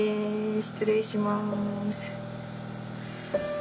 失礼します。